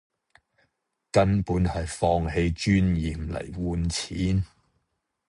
根本係放棄尊嚴嚟換錢